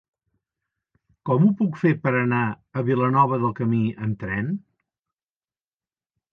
Com ho puc fer per anar a Vilanova del Camí amb tren?